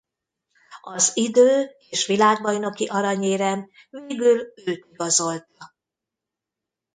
Az idő és világbajnoki aranyérem végül őt igazolta.